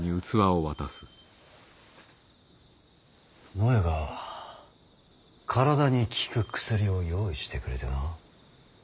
のえが体に効く薬を用意してくれてな。